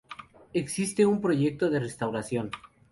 Existe un proyecto de restauración.